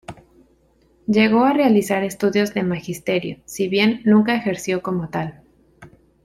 Llegó a realizar estudios de magisterio, si bien nunca ejerció como tal.